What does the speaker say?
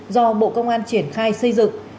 do bộ công an triển khai xây dựng